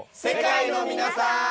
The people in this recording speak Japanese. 世界の皆さん！